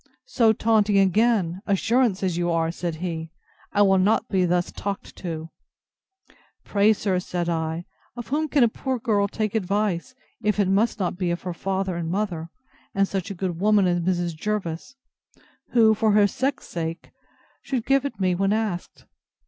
So, taunting again! Assurance as you are! said he: I will not be thus talked to! Pray, sir, said I, of whom can a poor girl take advice, if it must not be of her father and mother, and such a good woman as Mrs. Jervis, who, for her sex sake, should give it me when asked?